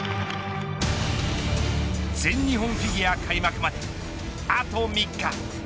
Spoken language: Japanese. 全日本フィギュア開幕まであと３日。